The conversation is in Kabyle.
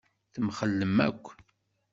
Temxellem akk.